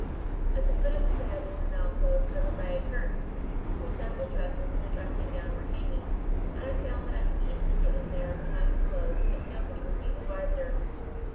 "At the foot of the bed was an alcove covered by a curtain where several dresses and a dressing gown were hanging, and I found that I could easily get in there behind the clothes and nobody would be the wiser.